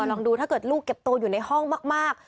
ลองดูถ้าเกิดลูกเก็บตัวอยู่ในห้องมาก